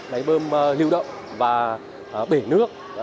máy bơm lưu động và bể nước